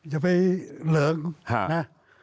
อย่าไปเหลิงนะ